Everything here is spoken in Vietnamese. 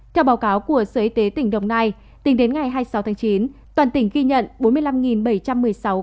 theo báo cáo của sở y tế tỉnh đồng nai tính đến ngày hai mươi sáu tháng chín toàn tỉnh ghi nhận bốn mươi năm bảy trăm một mươi sáu ca